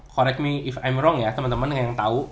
correct me if i m wrong ya temen temen yang tau